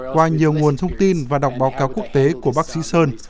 qua nhiều nguồn thông tin và đọc báo cáo quốc tế của bác sĩ sơn